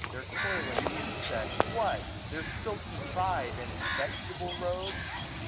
Their toiling insects what ? Their silky pride, and vegetable robes